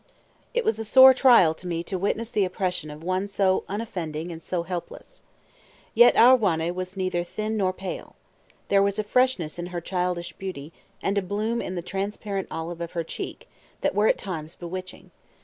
It was a sore trial to me to witness the oppression of one so unoffending and so helpless. Yet our Wanne was neither thin nor pale. There was a freshness in her childish beauty, and a bloom in the transparent olive of her cheek, that were at times bewitching.